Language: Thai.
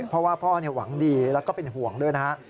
เพราะว่าพ่อเนี่ยหวังดีแล้วก็เป็นห่วงด้วยนะฮะ